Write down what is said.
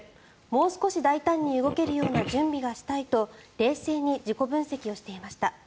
もう少し大胆に動けるような準備がしたいと冷静に自己分析をしていました。